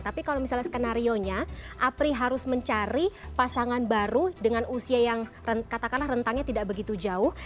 tapi kalau misalnya skenario nya apri harus mencari pasangan baru dengan usia yang katakanlah rentangnya tidak begitu jauh